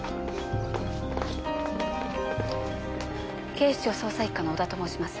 警視庁捜査一課の織田と申します。